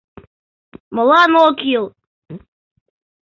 — Молан, ок кӱл!